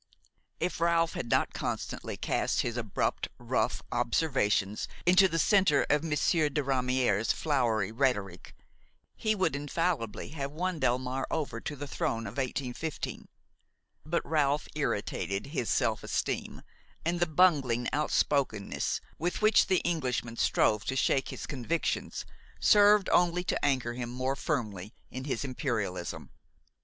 If Ralph had not constantly cast his abrupt, rough observations into the centre of Monsieur de Ramierè's flowery rhetoric, he would infallibly have won Delmare over to the throne of 1815; but Ralph irritated his self esteem, and the bungling outspokenness with which the Englishman strove to shake his convictions served only to anchor him more firmly in his imperialism.